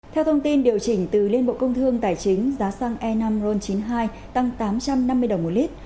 theo thông tin điều chỉnh từ liên bộ công thương tài chính giá xăng e năm ron chín mươi hai tăng tám trăm năm mươi đồng một lít